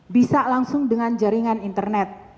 bisa langsung dengan jaringan internet